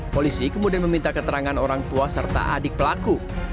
polisi kemudian meminta keterangan orang tua serta adik pelaku